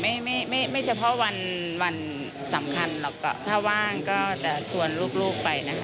ไม่ไม่ไม่เฉพาะวันวันสำคัญหรอกถ้าว่างก็แต่ชวนลูกลูกไปนะคะ